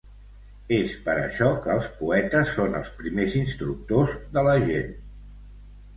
És per això que els poetes són els primers instructors de la gent.